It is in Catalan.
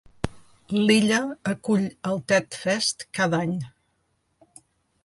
L'illa acull el Ted Fest cada any.